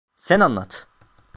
Sen anlat!